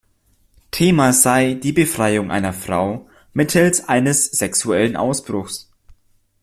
Thema sei die Befreiung einer Frau mittels eines sexuellen Ausbruchs.